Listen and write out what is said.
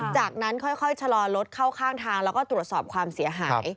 จากนั้นค่อยชะลอรถเข้าข้างทางแล้วก็ตรวจสอบความเสียหาย